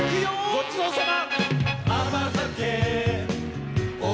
ごちそうさま！